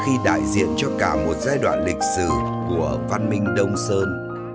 khi đại diện cho cả một giai đoạn lịch sử của văn minh đông sơn